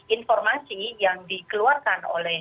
informasi yang dikeluarkan oleh